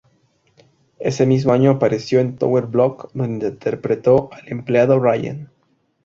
Ese mismo año apareció en "Tower Block" donde interpretó al empleado Ryan.